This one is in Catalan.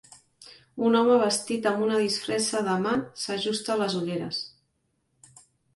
Un home vestit amb una disfressa de mag s'ajusta les ulleres.